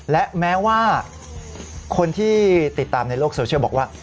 และแม้ว่าคนที่ติดตามในโลกโซเชียลบอกว่า